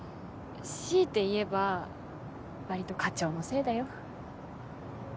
強いて言えば割と課長のせいだよ。